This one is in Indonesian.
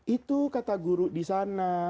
itu kata guru di sana